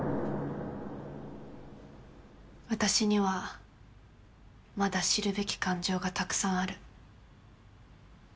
私にはまだ知るべき感情がたくさんある。